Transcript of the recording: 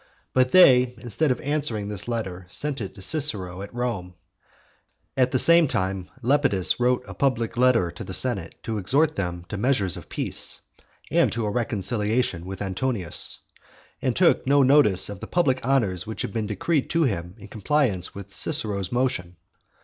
But they, instead of answering this letter, sent it to Cicero at Rome. At the same time Lepidus wrote a public letter to the senate to exhort them to measures of peace; and to a reconciliation with Antonius; and took no notice of the public honours which had been decreed to him in compliance with Cicero's motion.